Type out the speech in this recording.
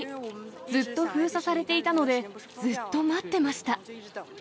ずっと封鎖されていたので、ずっと待ってました。